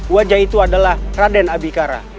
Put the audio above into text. wajah itu adalah raden abikara